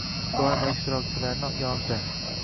doimo ishtirokchilarni yonida.